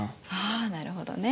あなるほどね。